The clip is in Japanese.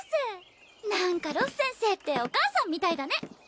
何かロス先生ってお母さんみたいだね